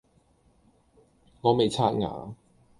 我未刷牙